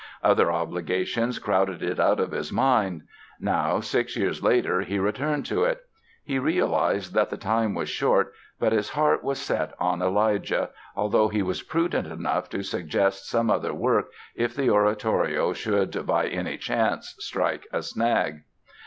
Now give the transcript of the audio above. Other obligations crowded it out of his mind. Now, six years later, he returned to it. He realized that the time was short but his heart was set on "Elijah", although he was prudent enough to suggest some other work if the oratorio should by any chance strike a snag.